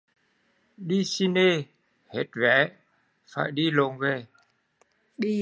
Đi ciné bị hết vé phải đi lụn về